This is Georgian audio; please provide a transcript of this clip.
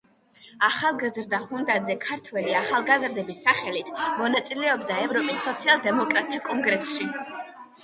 ახალგაზრდა ხუნდაძე, ქართველი ახალგაზრდების სახელით, მონაწილეობდა ევროპის სოციალ–დემოკრატთა კონგრესში.